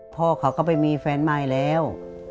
พ่อเขาก็ไปมีแฟนใหม่แล้ว